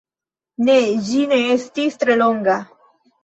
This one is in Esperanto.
Ne, ĝi ne estis tre longa.